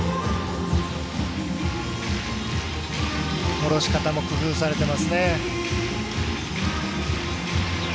下ろし方も工夫されてますね。